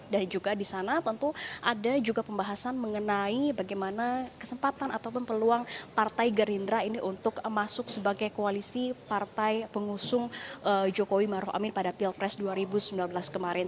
dan juga di sana tentu ada juga pembahasan mengenai bagaimana kesempatan ataupun peluang partai gerindra ini untuk masuk sebagai koalisi partai pengusung jokowi maruf amin pada pilpres dua ribu sembilan belas kemarin